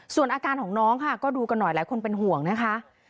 ส่วนอาการของน้องค่ะก็ดูกันหน่อยหลายคนเป็นห่วงนะคะ